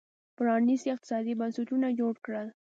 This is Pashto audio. پرانېستي اقتصادي بنسټونه جوړ کړل